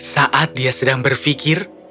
saat dia sedang berfikir